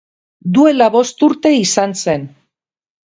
Duela bost urte izan zen.